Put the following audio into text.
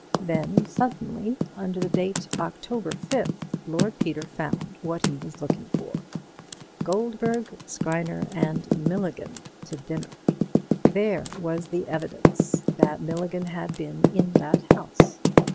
Then suddenly, under the date October 5th, Lord Peter found what he was looking for: "Goldberg, Skriner and Milligan to dinner." There was the evidence that Milligan had been in that house.